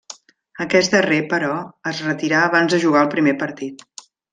Aquest darrer, però, es retirà abans de jugar el primer partit.